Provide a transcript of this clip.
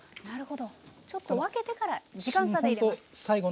なるほどちょっと分けてから時間差で入れます。